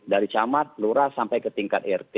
dari camat lurah sampai ke tingkat rt